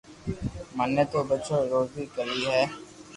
مني تو ٻچو ري روزي ڪروي ھي